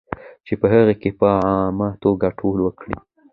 چې په هغې کې په عامه توګه ټول وګړي